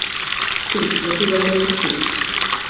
Si, posibelmente si.